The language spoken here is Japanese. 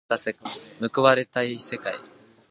報われない世の中。